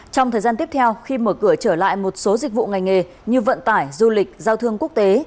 trong thời gian tiếp theo khi mở cửa trở lại một số dịch vụ ngành nghề như vận tải du lịch giao thương quốc tế